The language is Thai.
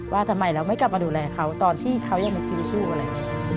ว่าทำไมเราไม่กลับมาดูแลเขาตอนที่เขายังมีชีวิตดูกอะไร